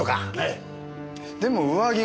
でも上着が。